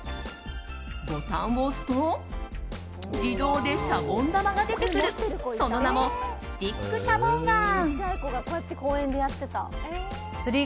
ボタンを押すと自動でシャボン玉が出てくるその名もスティックシャボンガン。